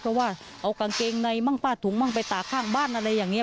เพราะว่าเอากางเกงในมั่งป้าถุงมั่งไปตากข้างบ้านอะไรอย่างนี้